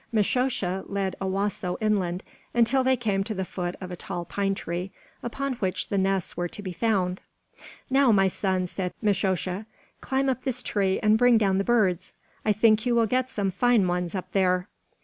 Mishosha led Owasso inland until they came to the foot of a tall pine tree, upon which the nests were to be found. "Now, my son," said Mishosha, "climb up this tree and bring down the birds. I think you will get some fine ones up there."